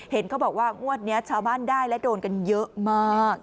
เห็นเขาบอกว่างวดนี้ชาวบ้านได้และโดนกันเยอะมาก